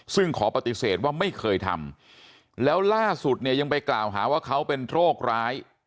ซึ่งขอปฏิเสธว่าไม่เคยทำแล้วล่าสุดเนี่ยยังไปกล่าวหาว่าเขาเป็นโรคร้าย